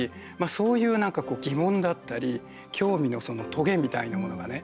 そういう疑問だったり興味のトゲみたいなものがね